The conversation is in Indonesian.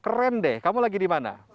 keren deh kamu lagi dimana